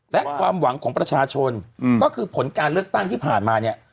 และความหวังของประชาชนก็คือผลการเลือกตั้งที่ผ่านมาเนี่ย